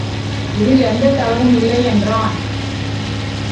இதில் எந்தத் தவறும் இல்லை என்றான்.